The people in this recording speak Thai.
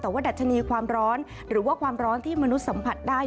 แต่ว่าดัชนีความร้อนหรือว่าความร้อนที่มนุษย์สัมผัสได้